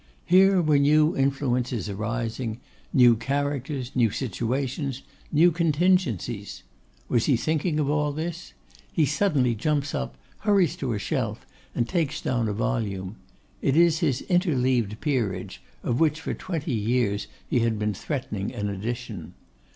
Here were new influences arising; new characters, new situations, new contingencies. Was he thinking of all this? He suddenly jumps up, hurries to a shelf and takes down a volume. It is his interleaved peerage, of which for twenty years he had been threatening an edition.